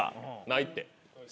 ないって。